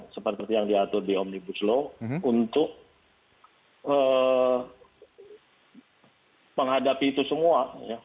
seperti yang diatur di omnibus law untuk menghadapi itu semua